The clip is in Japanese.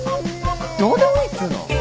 どうでもいいっつうの！